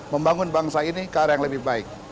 membangun bangsa ini ke arah yang lebih baik